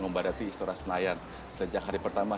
membadati istora senayan sejak hari pertama